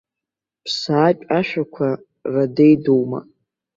Ԥсаатә ашәақәа радедоума?